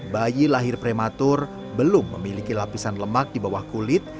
bayi lahir prematur belum memiliki lapisan lemak di bawah kulit